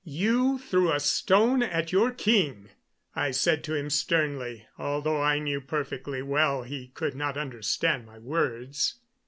"You threw a stone at your king," I said to him sternly, although I knew perfectly well he could not understand my words.